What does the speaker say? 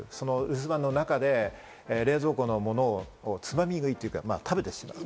留守番の中で冷蔵庫のものをつまみ食いというか食べてしまう。